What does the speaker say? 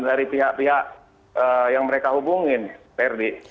dari pihak pihak yang mereka hubungin ferdi